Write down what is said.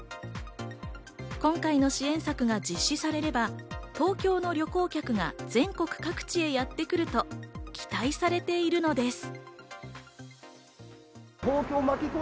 今回の支援策が実施されれば、東京の旅行客が全国各地へやってくると期待されているのです。